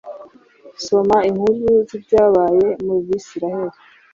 soma inkuru z’ibyabaye muri Bisirayeli